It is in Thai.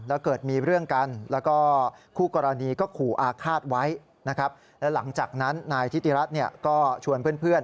แล้วหลังจากนั้นนายทิติรัฐก็ชวนเพื่อน